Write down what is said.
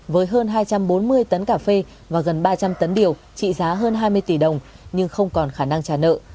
với hơn hai trăm bốn mươi tấn cà phê và gần ba trăm linh tấn điều trị giá hơn hai mươi tỷ đồng nhưng không còn khả năng trả nợ